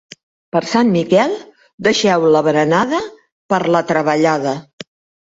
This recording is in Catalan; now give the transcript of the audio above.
Per Sant Miquel, deixeu la berenada per la treballada.